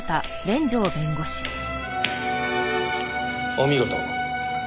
お見事。